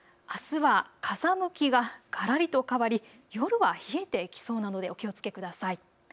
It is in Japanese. あすは風向きががらりと変わり、夜は冷えてきそうなのでお気をつけください。